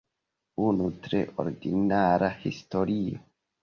Unu tre ordinara historio.